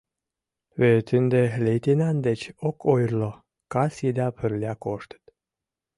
— Вет ынде лейтенант деч ок ойырло, кас еда пырля коштыт.